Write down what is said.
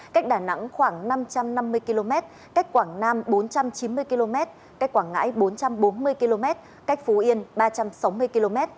cách đà nẵng khoảng năm trăm năm mươi km cách quảng nam bốn trăm chín mươi km cách quảng ngãi bốn trăm bốn mươi km cách phú yên ba trăm sáu mươi km